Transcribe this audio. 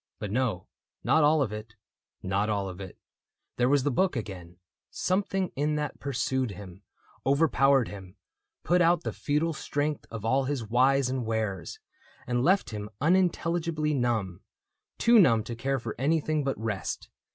But no, not all of it — not all of it : There was the book again ; something in that Pursued him, overpowered him, put out The futile strength of all his whys and wheres, THE BOOK OF ANNANDALE 135 And left him unintelligibly numb — Too numb to care for anything but rest.